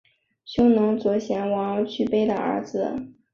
匈奴右贤王去卑的儿子。